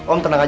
om tenang aja